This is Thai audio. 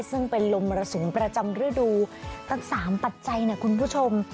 ซึ่งเป็นลมมรสุมประจำฤดูตั้ง๓ปัจจัยนะคุณผู้ชม